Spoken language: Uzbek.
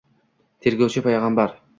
Tergovchi — payg’ambar